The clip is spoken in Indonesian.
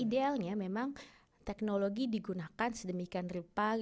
idealnya memang teknologi digunakan sedemikian rupa